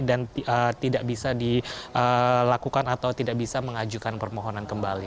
dan tidak bisa dilakukan atau tidak bisa mengajukan permohonan kembali